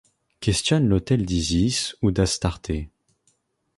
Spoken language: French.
Questionne l’autel d’Isis ou d’Astarté